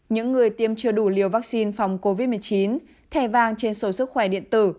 những người tiêm chưa đủ liều vaccine phòng covid một mươi chín thẻ vàng trên sổ sức khỏe điện tử